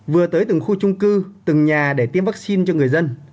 vừa tới từng khu trung cư từng nhà để tiêm vaccine cho người dân